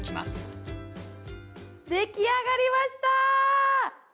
出来上がりました！